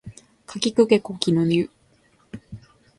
かきくけこきのゆ